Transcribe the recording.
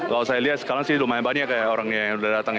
kalau saya lihat sekarang sih lumayan banyak orang yang sudah datang